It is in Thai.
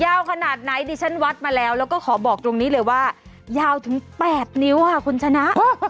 ขนาดไหนดิฉันวัดมาแล้วแล้วก็ขอบอกตรงนี้เลยว่ายาวถึง๘นิ้วค่ะคุณชนะ